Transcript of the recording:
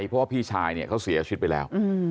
เพราะว่าพี่ชายเนี่ยเขาเสียชีวิตไปแล้ว